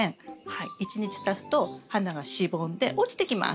１日たつと花がしぼんで落ちてきます。